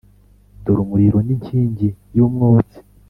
Dore umuriro n’inkingi y’umwotsi.